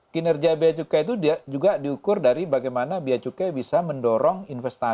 kinerja biaya cukai itu juga diukur dari bagaimana biaya cukai bisa mendorong investasi